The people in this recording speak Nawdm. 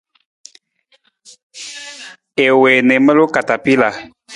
I wii na i maluu katapila.